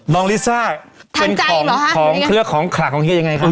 น้องลิซ่าเป็นของเพื่อของขลังของเฮียยังไงครับ